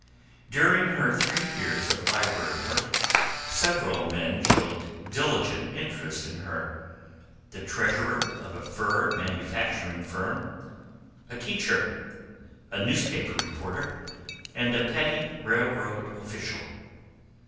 During her three years of library work several men showed diligent interest in her the treasurer of a fur manufacturing firm, a teacher, a newspaper reporter, and a petty railroad official.